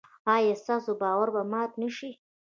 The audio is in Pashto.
ایا ستاسو باور به مات نشي؟